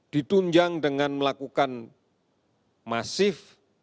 ditunjang dengan melakukan masif